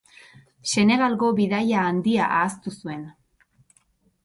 Senegalgo bidaia handia ahaztu zuen.